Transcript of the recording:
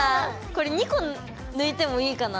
これ２個抜いてもいいかな。